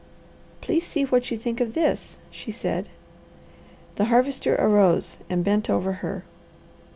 "Please see what you think of this," she said. The Harvester arose and bent over her.